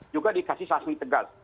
juga dikasih sasmi tegas